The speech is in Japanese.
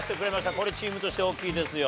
これチームとして大きいですよ。